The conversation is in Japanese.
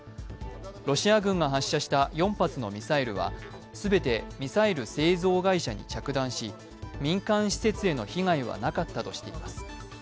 ロシア軍が発射した４発のミサイルは、全てミサイル製造会社に着弾し民間施設への被害はなかったとしています。